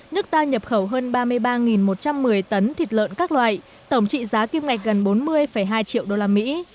nước ta nhập khẩu hơn ba mươi ba một trăm một mươi tấn thịt lợn các loại tổng trị giá kim ngạch gần bốn mươi hai triệu đô la mỹ